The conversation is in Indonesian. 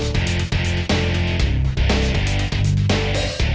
kau menangnya adalah